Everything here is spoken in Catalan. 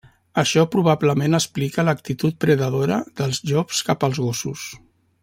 Això probablement explica l'actitud predadora dels llops cap als gossos.